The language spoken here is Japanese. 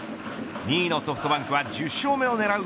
２位のソフトバンクは１０勝目を狙う